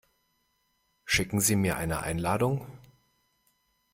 Schicken Sie mir eine Einladung?